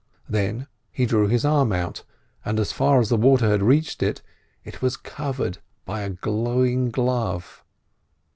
Then he drew his arm out, and as far as the water had reached, it was covered by a glowing glove.